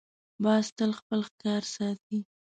باز تل خپل ښکار ساتي